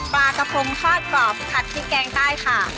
ปลากระพงทอดกรอบผัดพริกแกงใต้ค่ะ